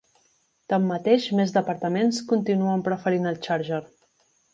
Tanmateix, més departaments continuen preferint el Charger.